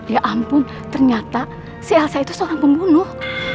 ya ampun ternyata si elsa itu seorang pembunuh